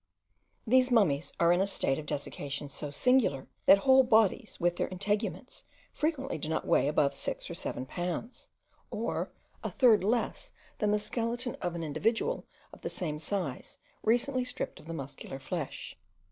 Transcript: These mummies are in a state of desiccation so singular, that whole bodies, with their integuments, frequently do not weigh above six or seven pounds; or a third less than the skeleton of an individual of the same size, recently stripped of the muscular flesh.